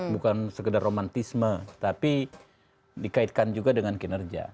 bukan sekedar romantisme tapi dikaitkan juga dengan kinerja